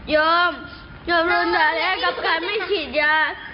ยอมยอมร่วมด่าแรกกับการไม่ฉีดยา